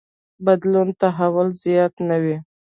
بدلون تحول زیات نه وي.